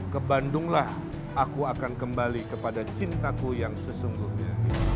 ke bandunglah aku akan kembali kepada cintaku yang sesungguhnya